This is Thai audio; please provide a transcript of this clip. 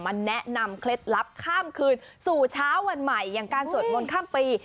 แนะนำเคล็ดลับข้ามคืนสู่เช้าวันใหม่อย่างการสวดมนต์ข้ามปี